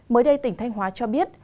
mới đây tỉnh thanh hóa cho biết